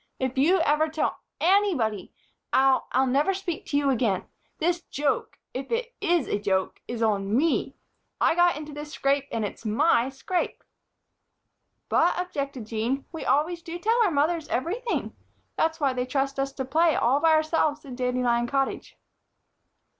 "If you ever tell anybody, I'll I'll never speak to you again. This joke if it is a joke is on me. I got into this scrape and it's my scrape." "But," objected Jean, "we always do tell our mothers everything. That's why they trust us to play all by ourselves in Dandelion Cottage."